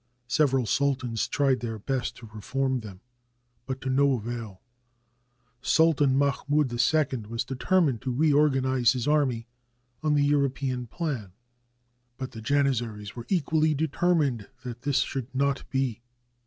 Several sultans tried their best to reform them, but to no avail. Sultan Mahmoud II was determined to reorgan ize his army on the European plan; but the Janizaries were equally determined that this should not be.